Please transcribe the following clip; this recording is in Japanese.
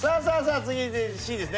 続いてＣですね。